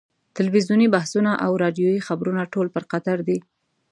تلویزیوني بحثونه او راډیویي خبرونه ټول پر قطر دي.